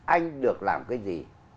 anh được làm cái gì